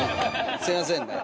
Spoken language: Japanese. すいませんね。